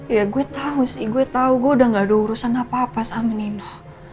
ya gue tahu sih gue tahu gue udah gak ada urusan apa apa sama nina